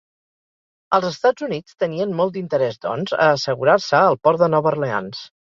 Els Estats Units tenien molt d'interès, doncs, a assegurar-se el port de Nova Orleans.